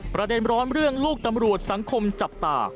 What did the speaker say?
ประเด็นร้อนเรื่องลูกตำรวจสังคมจับตา